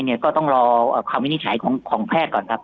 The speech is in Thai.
ก็ต้องรอคำวินิจฉัยของแพทย์ก่อนครับ